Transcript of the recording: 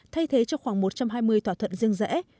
thay thế cho khoảng một trăm hai mươi thỏa thuận riêng rẽ